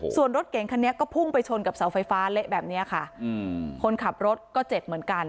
ส่วนรถเก่งคันนี้ก็พุ่งไปชนกับเสาไฟฟ้าเละแบบนี้ค่ะอืมคนขับรถก็เจ็บเหมือนกัน